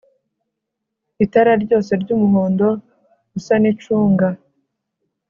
itara ryose ry'umuhondo usa n'icunga